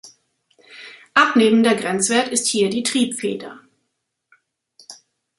Abnehmender Grenzwert ist hier die Triebfeder.